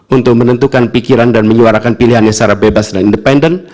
untuk menentukan pikiran dan menyuarakan pilihannya secara bebas dan independen